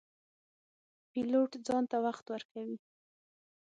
پیلوټ ځان ته وخت ورکوي.